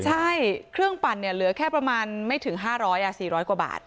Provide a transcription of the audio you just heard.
ใช่เครื่องปั่นเหลือแค่ประมาณไม่ถึง๕๐๐๔๐๐กว่าบาท